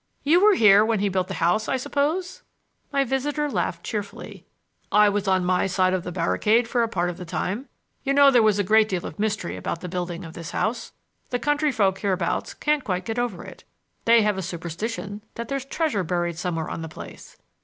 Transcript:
"You were here when he built the house, I suppose?" My visitor laughed cheerfully. "I was on my side of the barricade for a part of the time. You know there was a great deal of mystery about the building of this house. The country folk hereabouts can't quite get over it. They have a superstition that there's treasure buried somewhere on the place.